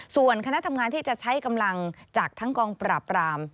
ส่วนคณะทำงานที่จะใช้กำลังจากทั้งกองปราบราม